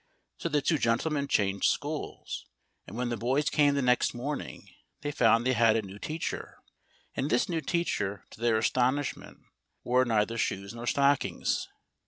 So the two gentlemen changed schools, and when the boys came the next morning they found they had a new teacher, and this new teacher, to their astonishment, wore neither shoes nor stockings.